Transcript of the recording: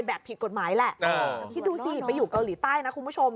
แบบผิดกฎหมายแหละแต่คิดดูสิไปอยู่เกาหลีใต้นะคุณผู้ชม